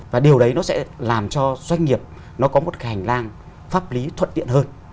và điều đấy nó sẽ làm cho doanh nghiệp nó có một hành lang pháp lý thuận tiện hơn